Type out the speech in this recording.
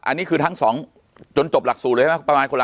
อันนี้คือทั้ง๒จนจบหลักศูนย์เลยครับประมาณคนละ๕๐๐